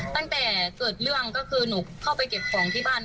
ตั้งแต่เกิดเรื่องก็คือหนูเข้าไปเก็บของที่บ้าน